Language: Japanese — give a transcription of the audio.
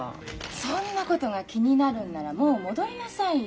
そんなことが気になるんならもう戻りなさいよ。